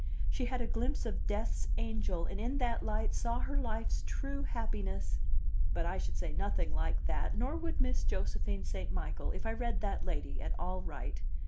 She had a glimpse of Death's angel, and in that light saw her life's true happiness!" But I should say nothing like that, nor would Miss Josephine St. Michael, if I read that lady at all right.